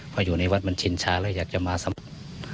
พออยู่ในวัดมันชินชาแล้วอยากจะมาสมัคร